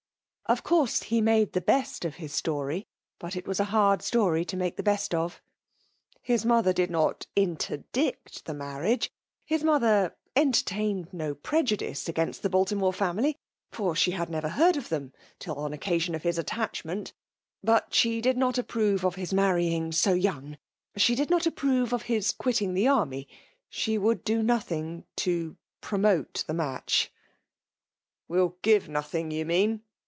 Of coarse he made the best of his story« but it was a haid storj to make tiie best of. '* His mother did not interdict his marriage; his mother entertsnicd no prejudice against the Baltimore family, for she had never heard of them till on occasion of his attachment But she did not approve of his marrying so young — she did not a]^ prove of his quitting the army — she would do nothing to promote the match/* " Will give nothing, you mean